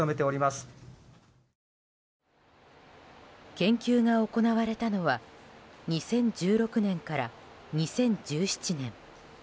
研究が行われたのは２０１６年から２０１７年。